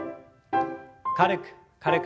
軽く軽く。